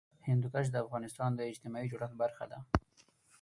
هندوکش د افغانستان د اجتماعي جوړښت برخه ده.